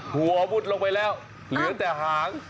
หัวมุดลงไปแล้วเหลือแต่หาง